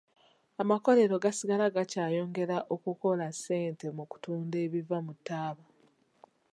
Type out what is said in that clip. Amakolero ga sigala gakyayongera okukola ssente mu kutunda ebiva mu taaba.